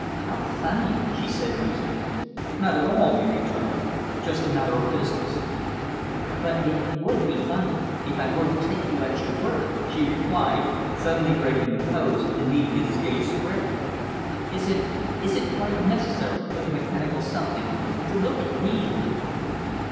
"How funny," she said musingly. "Not at all" he returned "just a matter of business." "But it would be funny if I were to take you at your word," she replied; suddenly breaking the pose and meeting his gaze squarely. "Is it is it quite necessary for the mechanical something to look at me like that?"